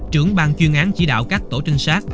trưởng bang chuyên án chỉ đạo các tổ trinh sát